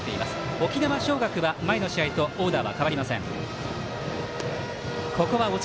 沖縄尚学は前の試合とオーダー変わりません。